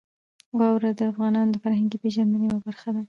واوره د افغانانو د فرهنګي پیژندنې یوه برخه ده.